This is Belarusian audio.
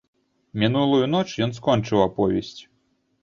Мінулую ноч ён скончыў аповесць.